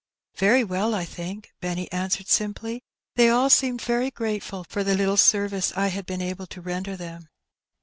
''Very well, I think," Benny answered, simply; ''they all seemed very grateful for the little service I had been able to render them.''